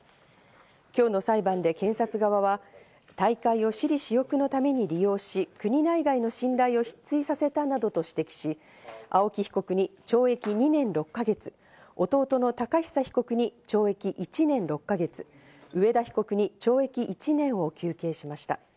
今日の裁判で検察側は、大会を私利私欲のために利用し、国内外の信頼を失墜させたなどと指摘し、青木被告に懲役２年６か月、弟の寶久被告に懲役１年６か月、上田被告に懲役１年を求刑しました。